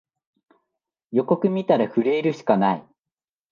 予告みたら震えるしかない